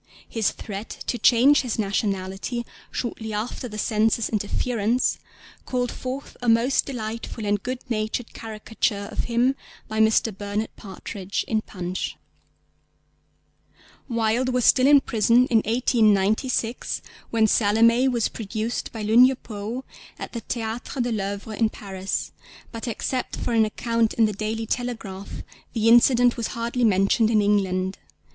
His threat to change his nationality shortly after the Censor's interference called forth a most delightful and good natured caricature of him by Mr. Bernard Partridge in Punch. Wilde was still in prison in 1896 when Salomé was produced by Lugne Poë at the Théàtre de L'Œuvre in Paris, but except for an account in the Daily Telegraph the incident was hardly mentioned in England.